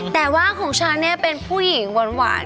แต่ว่าของฉันเนี่ยเป็นผู้หญิงหวาน